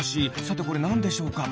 さてこれなんでしょうか？